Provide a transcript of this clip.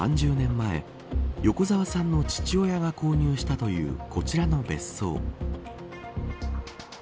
前横澤さんの父親が購入したというこちらの別荘。